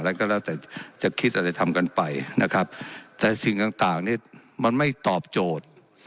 อะไรก็แล้วแต่จะคิดอะไรทำกันไปนะครับแต่สิ่งต่างต่างนี้มันไม่ตอบโจทย์